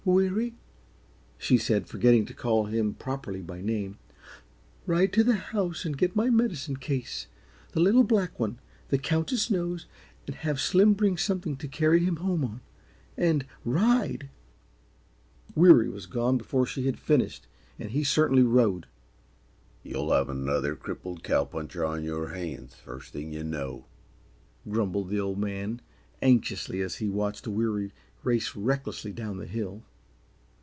"Weary," she said, forgetting to call him properly by name, "ride to the house and get my medicine case the little black one. The Countess knows and have Slim bring something to carry him home on. And RIDE!" Weary was gone before she had finished, and he certainly "rode." "You'll have another crippled cow puncher on yer hands, first thing yuh know," grumbled the Old Man, anxiously, as he watched Weary race recklessly down the hill.